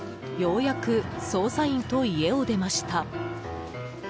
ようやく捜査員と家を出ました。